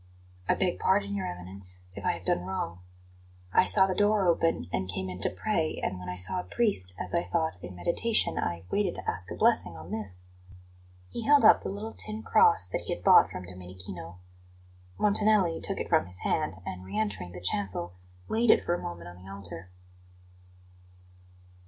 "I beg pardon, Your Eminence, if I have done wrong. I saw the door open, and came in to pray, and when I saw a priest, as I thought, in meditation, I waited to ask a blessing on this." He held up the little tin cross that he had bought from Domenichino. Montanelli took it from his hand, and, re entering the chancel, laid it for a moment on the altar.